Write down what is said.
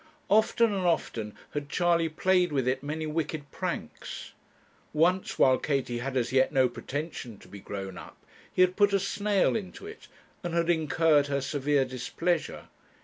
Often and often had Charley played with it many wicked pranks. Once, while Katie had as yet no pretension to be grown up, he had put a snail into it, and had incurred her severe displeasure.